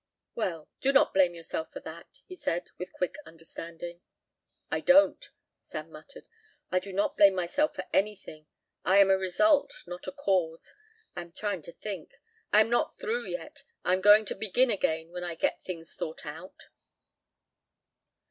"Well, do not blame yourself for that," he said, with quick understanding. "I don't," Sam muttered; "I do not blame myself for anything. I am a result, not a cause. I am trying to think. I am not through yet. I am going to begin again when I get things thought out."